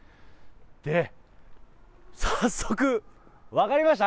で、早速、分かりました？